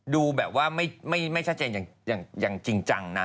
ดูแบบว่าไม่ชัดเจนอย่างจริงจังนะ